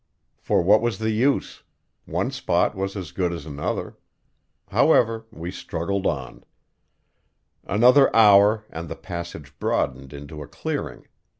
For what was the use? One spot was as good as another. However, we struggled on. Another hour and the passage broadened into a clearing.